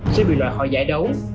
sẽ bị loại khỏi giải đấu